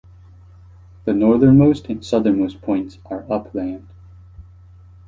The northernmost and southernmost points are upland.